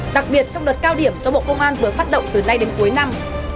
đặc biệt trong đợt cao điểm do bộ công an vừa phát động từ nay đến cuối năm